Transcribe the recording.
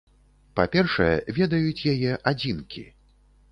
Па-першае, ведаюць яе адзінкі.